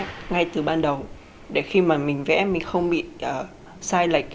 học vẽ ngay từ ban đầu để khi mà mình vẽ mình không bị sai lệch